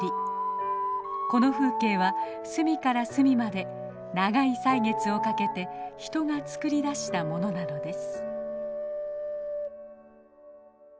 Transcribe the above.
この風景は隅から隅まで長い歳月をかけて人が作り出したものなのです。